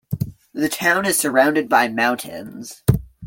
The town is surrounded by mountains.